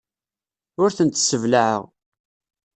Ur tent-sseblaɛeɣ.